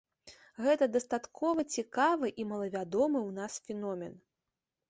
Гэта дастаткова цікавы і малавядомы ў нас феномен.